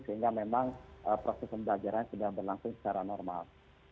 sehingga memang proses pembelajaran sudah berlangsung secara normal